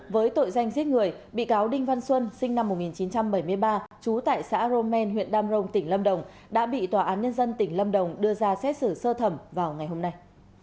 với tội danh giết người bị cáo đinh văn xuân sinh năm một nghìn chín trăm bảy mươi ba trú tại xã romen huyện đam rồng tỉnh lâm đồng đã bị tòa án nhân dân tỉnh lâm đồng đưa ra xét xử sơ thẩm vào ngày hôm nay